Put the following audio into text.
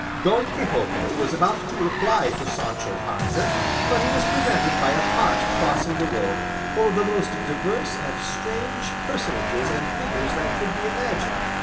Don Quixote was about to reply to Sancho Panza, but he was prevented by a cart crossing the road full of the most diverse and strange personages and figures that could be imagined.